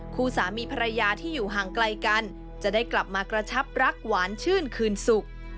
คู่สามีภรรยาที่อยู่ห่างไกลกันจะได้กลับมากระชับรักหวานชื่นคืนสุข